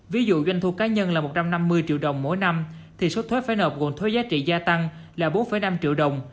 ví dụ doanh thu cá nhân là một trăm năm mươi triệu đồng mỗi năm thì số thuế phải nộp gồm thuế giá trị gia tăng là bốn năm triệu đồng